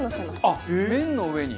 あっ麺の上に？